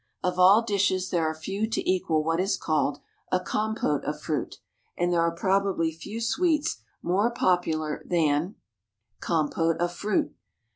Of all dishes there are few to equal what is called a compote of fruit, and there are probably few sweets more popular than COMPOTE OF FRUIT.